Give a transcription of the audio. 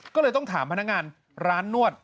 ก็เลยต้องถามพนักงานร้านนวด